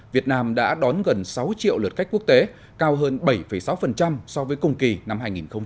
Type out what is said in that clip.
việt nam đã đón gần sáu triệu lượt khách quốc tế cao hơn bảy sáu so với cùng kỳ năm hai nghìn một mươi tám